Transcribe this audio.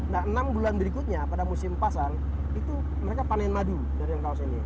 nah enam bulan berikutnya pada musim pasang itu mereka panen madu dari yang kaos ini